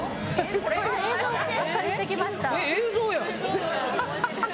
映像をお借りしてきました映像や！